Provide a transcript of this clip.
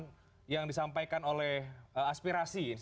tadi ini soal tuntutan yang disampaikan oleh aspirasi insan tengah